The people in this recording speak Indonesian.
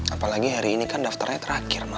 apalagi hari ini kan daftarnya terakhir mas